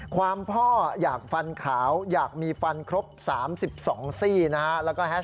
พ่ออยากฟันขาวอยากมีฟันครบ๓๒ซี่นะฮะ